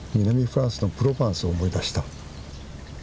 フランスのプロバンスを思い出した。